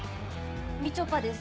みちょぱです。